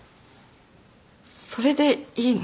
それでいいの？